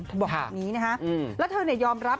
เธอบอกแบบนี้นะฮะแล้วเธอเนี่ยยอมรับ